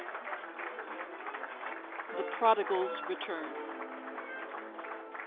THE PRODIGAL'S RETURN.